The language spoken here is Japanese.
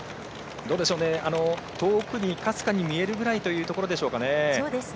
遠くにかすかに見えるくらいという感じでしょうかね。